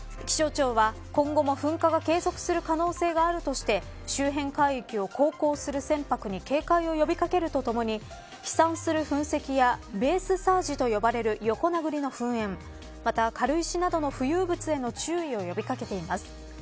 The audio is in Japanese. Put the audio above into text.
気象庁は今後も噴火が継続する可能性があるとして周辺海域を航行する船舶に警戒を呼びかけるとともに飛散する噴石やベースサージと呼ばれる横殴りの噴煙また、軽石などの浮遊物への注意を呼び掛けています。